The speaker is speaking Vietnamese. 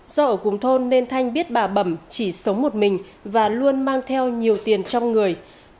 do ở cùng thôn nên thanh biết bà bẩm chỉ sống một mình và luôn mang theo nhiều tiền trong người